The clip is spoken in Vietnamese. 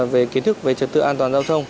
về kiến thức về trật tự an toàn giao thông